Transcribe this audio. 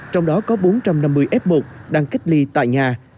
trong đó có bốn trăm năm mươi f một đang cách ly tại nhà